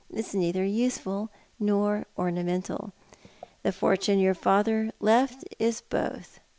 It's neither useful nor ornamental. The fortune your father left is both.